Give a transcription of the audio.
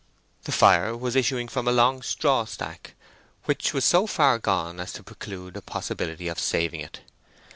The fire was issuing from a long straw stack, which was so far gone as to preclude a possibility of saving it.